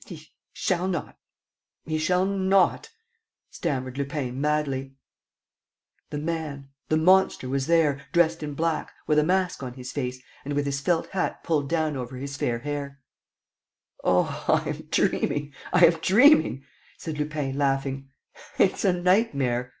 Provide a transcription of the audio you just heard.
... "He shall not ... he shall not," stammered Lupin madly. The man, the monster was there, dressed in black, with a mask on his face and with his felt hat pulled down over his fair hair. "Oh, I am dreaming. ... I am dreaming!" said Lupin, laughing. "It's a nightmare!